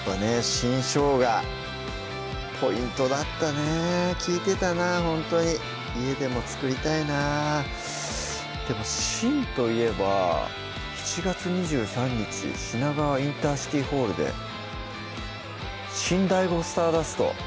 新しょうがポイントだったね利いてたなほんとに家でも作りたいなでも「シン」といえば７月２３日品川インターシティホールで「シン・ＤＡＩＧＯ☆ＳＴＡＲＤＵＳＴ」